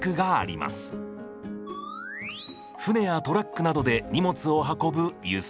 船やトラックなどで荷物を運ぶ輸送。